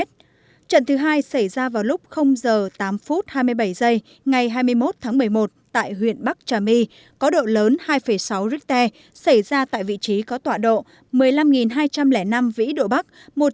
trận thứ hai xảy ra vào lúc h tám phút hai mươi bảy giây ngày hai mươi một tháng một mươi một tại huyện bắc trà my có độ lớn hai sáu richter xảy ra tại vị trí có tọa độ một mươi năm hai trăm linh năm vĩ độ bắc